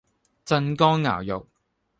鎮江肴肉